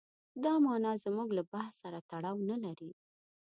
دا معنا زموږ له بحث سره تړاو نه لري.